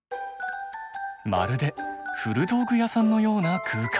まるで古道具屋さんのような空間。